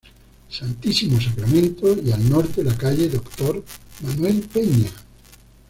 Santísimo Sacramento y al norte la calle Dr. Manuel Peña.